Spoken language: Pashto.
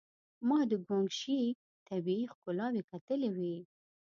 ما د ګوانګ شي طبيعي ښکلاوې کتلې وې.